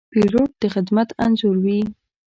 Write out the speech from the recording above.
پیلوټ د خدمت انځور وي.